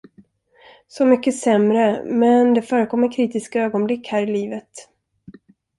Så mycket sämre, men det förekommer kritiska ögonblick här i livet.